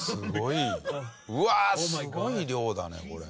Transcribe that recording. うわあすごい量だねこれ。